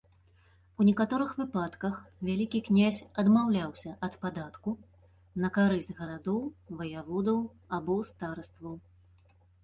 У некаторых выпадках вялікі князь адмаўляўся ад падатку на карысць гарадоў, ваяводаў або старастаў.